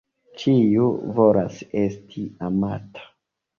Ĉiu volas esti amata.